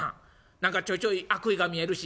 何かちょいちょい悪意が見えるし。